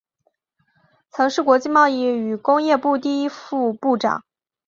曾是国际贸易与工业部第一副部长。